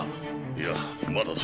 いやまだだ！